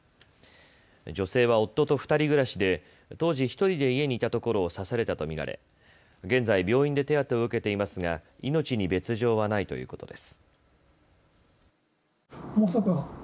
女性は夫と２人暮らしで当時、１人で家にいたところを刺されたと見られ、現在、病院で手当てを受けていますが命に別状はないということです。